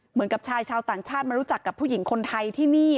เหมือนกับชายชาวต่างชาติมารู้จักกับผู้หญิงคนไทยที่นี่